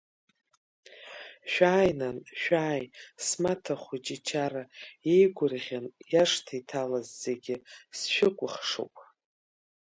Шәааи, нан, шәааи, смаҭа хәыҷ ичара иеигәырӷьан иашҭа иҭалаз зегьы, сшәыкәыхшоуп!